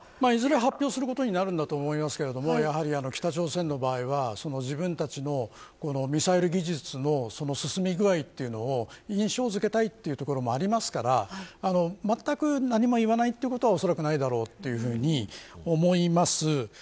いずれ発表することになると思いますが、北朝鮮の場合は自分たちのミサイル技術の進み具合というのを印象付けたいというところもありますからまったく何も言わないということはおそらくないだろうと思います。